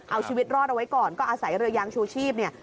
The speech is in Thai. เอาชีวิตรอดเอาไว้ก่อนก็อาศัยเรือยางชูชีพเนี่ย